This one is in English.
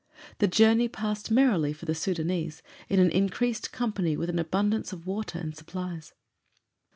The journey passed merrily for the Sudânese in an increased company with an abundance of water and supplies.